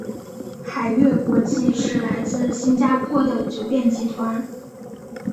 海悦国际是来自新加坡的酒店集团。